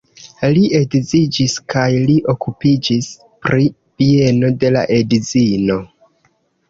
Li edziĝis kaj li okupiĝis pri bieno de la edzino.